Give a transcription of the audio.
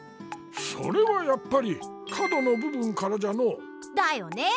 それはやっぱり角のぶ分からじゃの。だよね。